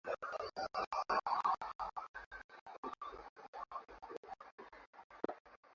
Mkutano wetu huko Marondera ulipigwa marufuku, mkutano wa Umoja wa Kitaifa wa Afrika wa Zimbabwe Mbele ulikuwa kwenye magari,